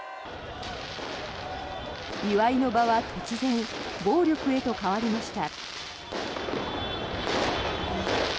祝いの場は突然、暴力へと変わりました。